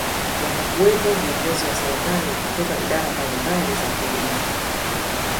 watakuwepo viongozi wa serikali kutoka idara mbalimbali za kilimo